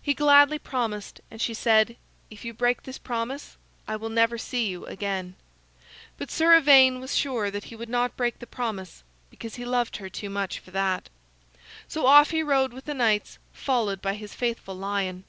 He gladly promised, and she said: "If you break this promise, I will never see you again." But Sir Ivaine was sure he would not break the promise, because he loved her too much for that. So off he rode with the knights, followed by his faithful lion.